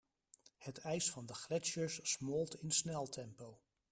Het ijs van de gletsjers smolt in sneltempo.